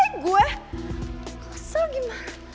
gimana cara gue untuk ngelarang reva